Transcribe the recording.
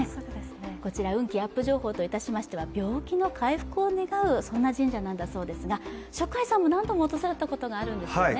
こちら、運気アップ情報といたしましては、病気の回復を願う神社なんだそうですが、ＳＨＯＣＫＥＹＥさんも何度も訪れたことがあるんですね。